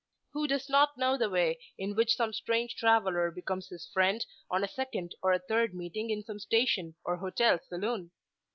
Who does not know the way in which some strange traveller becomes his friend on a second or a third meeting in some station or hotel saloon?